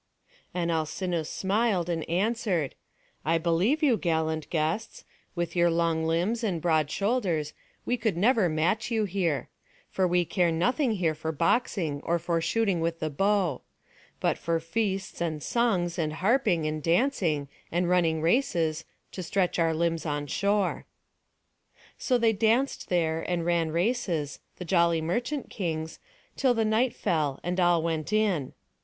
And Alcinous smiled, and answered: "I believe you, gallant guests; with your long limbs and broad shoulders, we could never match you here. For we care nothing here for boxing, or for shooting with the bow; but for feasts, and songs, and harping, and dancing, and running races, to stretch our limbs on shore." So they danced there and ran races, the jolly merchant kings, till the night fell, and all went in.